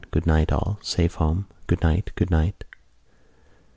"Good night, all. Safe home." "Good night. Good night."